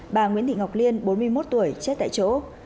bà nguyễn thị ngọc liên bốn mươi một tuổi chết tại chỗ